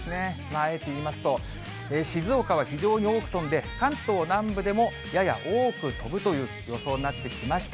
あえて言いますと、静岡は非常に多く飛んで関東南部でもやや多く飛ぶという予想になってきました。